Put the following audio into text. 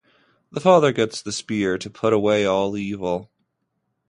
The father gets the spear to put away all evil.